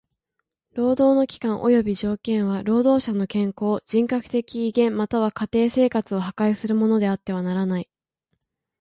労働の期間および条件は労働者の健康、人格的威厳または家庭生活を破壊するものであってはならない。